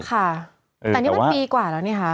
แต่นี่มันปีกว่าแล้วนี่คะ